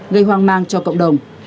gây hoang mang cho cộng đồng